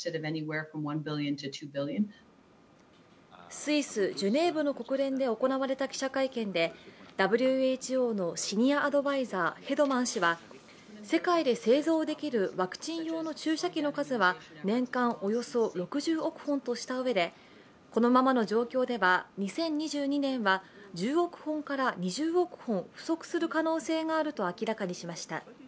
スイス・ジュネーブの国連で行われた記者会見でＷＨＯのシニアアドバイザーヘドマン氏は世界で製造できるワクチン用の注射器の数は年間およそ６０億本としたうえで、このままの状況では２０２０年は１０億本から２０億本不足する可能性があると明らかにしました。